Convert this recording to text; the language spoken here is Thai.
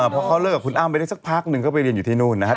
พอเขาเลิกกับคุณอ้ำไปได้สักพักหนึ่งก็ไปเรียนอยู่ที่นู่นนะครับ